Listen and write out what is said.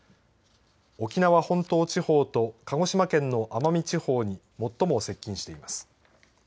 沖縄本島地方と鹿児島県の奄美地方に最も接近しています。